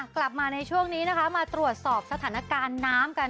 กลับมาในช่วงนี้นะคะมาตรวจสอบสถานการณ์น้ำกัน